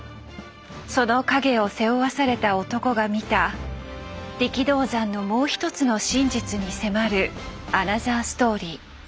その陰を背負わされた男が見た力道山のもう一つの真実に迫るアナザーストーリー。